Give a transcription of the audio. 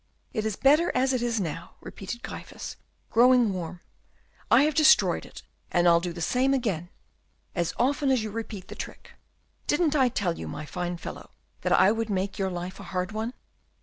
it is better as it is now," repeated Gryphus, growing warm; "I have destroyed it, and I'll do the same again, as often as you repeat the trick. Didn't I tell you, my fine fellow, that I would make your life a hard one?"